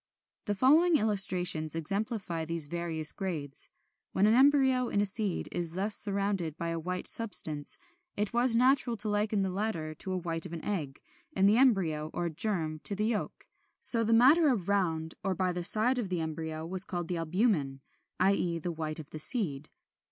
The following illustrations exemplify these various grades. When an embryo in a seed is thus surrounded by a white substance, it was natural to liken the latter to the white of an egg, and the embryo or germ to the yolk. So the matter around or by the side of the embryo was called the Albumen, i. e. the white of the seed.